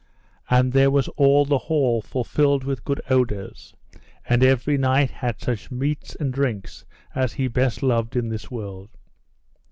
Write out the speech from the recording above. And there was all the hall fulfilled with good odours, and every knight had such meats and drinks as he best loved in this world.